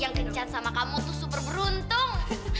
yang kencat sama kamu tuh super beruntung